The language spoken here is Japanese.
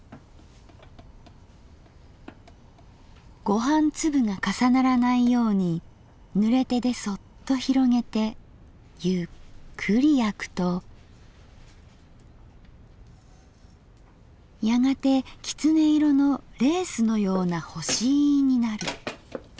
「ご飯粒が重ならないように濡れ手でそっと拡げてゆっくり焼くとやがて狐色のレースのような干飯になる」。